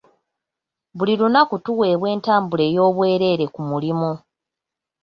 Buli lunaku tuweebwa entambula ey'obwereere ku mulimu.